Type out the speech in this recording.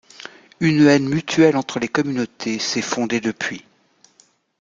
Une haine mutuelle entre les communautés s'est fondée depuis.